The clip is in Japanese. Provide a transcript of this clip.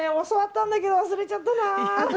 教わったんだけど忘れちゃったな。